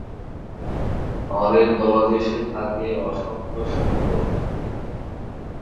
নলের তলদেশে থাকে অসংখ্য শুঙ্গ।